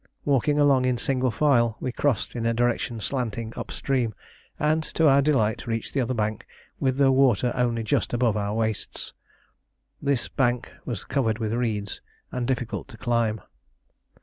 Walking along in single file we crossed in a direction slanting up stream, and to our delight reached the other bank with the water only just above our waists. This bank was covered with reeds and difficult to climb.